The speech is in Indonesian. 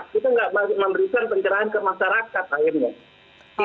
kita tidak memberikan pencerahan ke masyarakat akhirnya